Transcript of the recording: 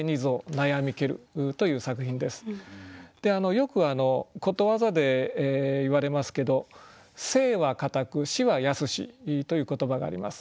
よくことわざで言われますけど「生は難く死は易し」という言葉があります。